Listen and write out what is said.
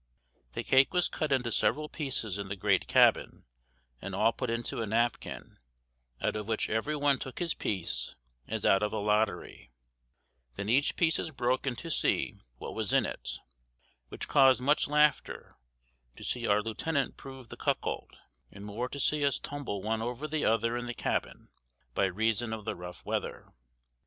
The kake was cut into severall pieces in the great cabin, and all put into a napkin, out of which every one took his piece, as out of a lottery; then each piece is broaken to see what was in it, which caused much laughter, to see our leiuetenant prove the coockold, and more to see us tumble one over the other in the cabin, by reason of the ruff weather."